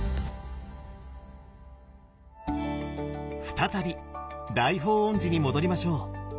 再び大報恩寺に戻りましょう。